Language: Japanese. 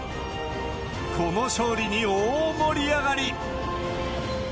この勝利に大盛り上がり。